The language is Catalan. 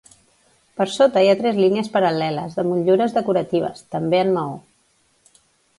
Per sota hi ha tres línies paral·leles de motllures decoratives, també en maó.